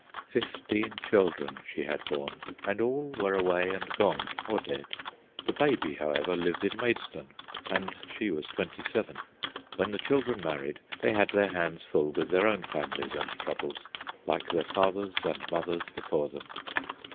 Fifteen children she had borne, and all were away and gone, or dead. The "baby," however, lived in Maidstone, and she was twenty seven. When the children married they had their hands full with their own families and troubles, like their fathers and mothers before them.